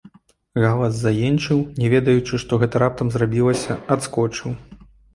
Галас заенчыў, не ведаючы, што гэта раптам зрабілася, адскочыў.